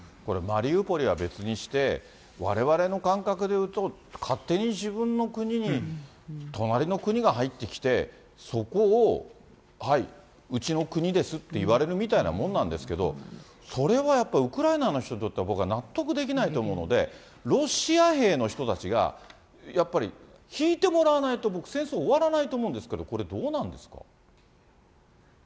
これ、マリウポリは別にして、われわれの感覚でいうと、勝手に自分の国に隣の国が入ってきて、そこを、はい、うちの国ですって言われるみたいなもんなんですけど、それはやっぱり、ウクライナの人にとっては、僕は納得できないと思うので、ロシア兵の人たちが、やっぱり引いてもらわないと、僕、戦争終わらないと思うんですけど、これ、どうなんですか？